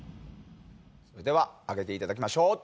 それでは上げていただきましょう。